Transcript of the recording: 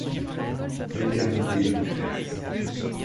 L'éternité bouleverse